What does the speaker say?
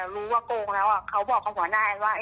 รู้ว่าโกงแล้วเขาบอกกับหัวหน้าอันว่า